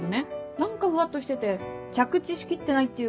何かふわっとしてて着地し切ってないっていうか